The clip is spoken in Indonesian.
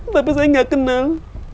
tapi saya gak kenal